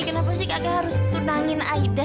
kenapa sih kakek harus tunangin aida